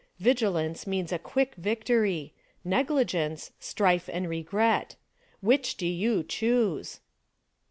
Vigilance means a quick victory; negligence — strife and regret. Which do you choose?